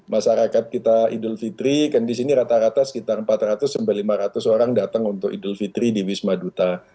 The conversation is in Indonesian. masyarakat kita idul fitri kan di sini rata rata sekitar empat ratus sampai lima ratus orang datang untuk idul fitri di wisma duta